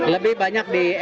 lebih banyak di ekonomi